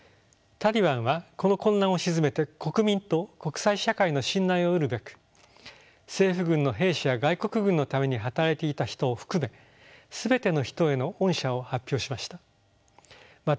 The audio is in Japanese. タリバンはこの混乱を鎮めて国民と国際社会の信頼をうるべく政府軍の兵士や外国軍のために働いていた人を含め全ての人への恩赦を発表しました。